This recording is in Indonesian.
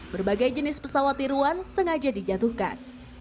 berbagai jenis pesawat tiruan sengaja dijatuhkan